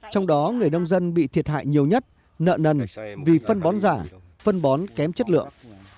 trong đó người nông dân bị thiệt hại nhiều nhất nợ nần vì phân bón giả phân bón kém chất lượng